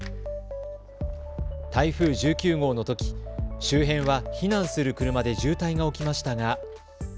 台風１９号のとき、周辺は避難する車で渋滞が起きましたが。